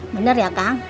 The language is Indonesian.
bener ya akang